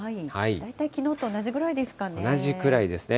大体きのうと同じくらいですかね。